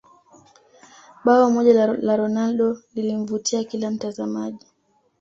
bao moja la ronaldo lilimvutia kila mtazamaji